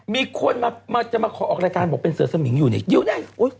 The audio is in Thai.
มีคนจะมาขอออกรายการบอกเป็นเสือเสมิงอยู่เนี่ย